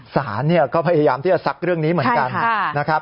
สารก็พยายามที่จะซักเรื่องนี้เหมือนกันนะครับ